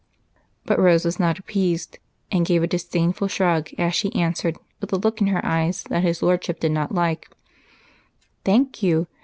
But Rose was not appeased, and gave a disdainful shrug as she answered with a look in her eyes that his lordship did not like, "Thank you.